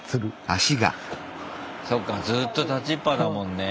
そっかずっと立ちっぱだもんね。